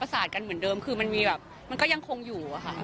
สาดกันเหมือนเดิมคือมันมีแบบมันก็ยังคงอยู่อะค่ะ